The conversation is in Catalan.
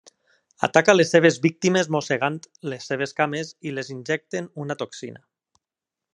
Ataca les seves víctimes mossegant les seves cames i les injecten una toxina.